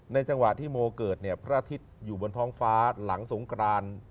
จังหวะที่โมเกิดเนี่ยพระอาทิตย์อยู่บนท้องฟ้าหลังสงกราน